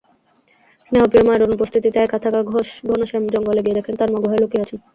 স্নেহপ্রিয় মায়ের অনুপস্থিতিতে একা থাকা ঘনশ্যাম জঙ্গলে গিয়ে দেখেন তার মা গুহায় লুকিয়ে আছেন।